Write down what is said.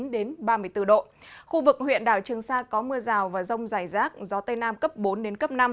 đến ba mươi bốn độ khu vực huyện đảo trường sa có mưa rào và rông dài rác gió tây nam cấp bốn đến cấp năm